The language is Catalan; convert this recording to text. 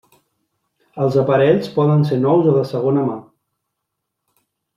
Els aparells poden ser nous o de segona mà.